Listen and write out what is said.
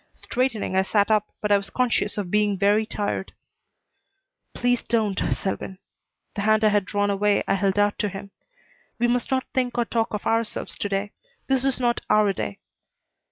Straightening, I sat up, but I was conscious of being very tired. "Please don't, Selwyn." The hand I had drawn away I held out to him. "We must not think or talk of ourselves to day. This is not our day."